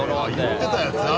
言ってたやつ？